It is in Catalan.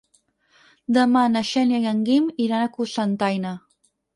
Demà na Xènia i en Guim iran a Cocentaina.